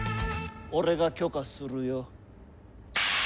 俺が許可するよ。